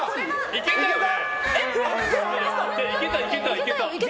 いけたよね？